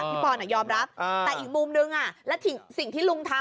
ปอนยอมรับแต่อีกมุมนึงและสิ่งที่ลุงทำ